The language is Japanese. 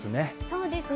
そうですね。